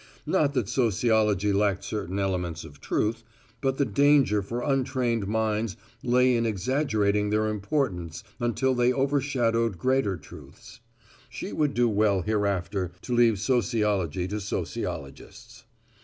Not that sociology lacked certain elements of truth, but the danger for untrained minds lay in exaggerating their importance until they overshadowed greater truths. She would do well hereafter to leave sociology to sociologists.